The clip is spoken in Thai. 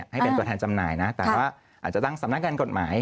ให้เป็นตัวแทนจำหน่ายนะแต่ว่าอาจจะตั้งสำนักงานกฎหมาย